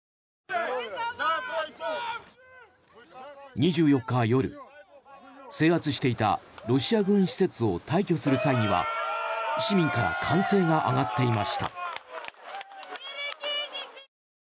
２４日夜、制圧していたロシア軍施設を退去する際には市民から歓声が上がっていました。